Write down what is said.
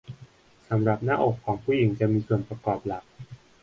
สำหรับหน้าอกของผู้หญิงจะมีส่วนประกอบหลัก